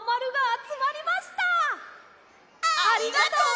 ありがとう！